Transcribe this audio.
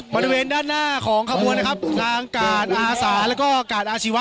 บริเวณด้านหน้าของขบวนนะครับนางกาดอาสาแล้วก็กาดอาชีวะ